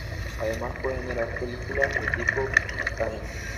Además puede generar películas de tipo QuickTime.